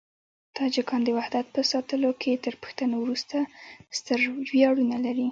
تاجکان د وحدت په ساتلو کې تر پښتنو وروسته ستر ویاړونه لري.